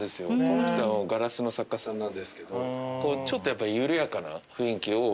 この人ガラスの作家さんなんですけどちょっとやっぱり。